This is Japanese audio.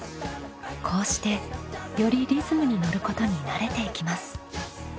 こうしてよりリズムにのることに慣れていきます。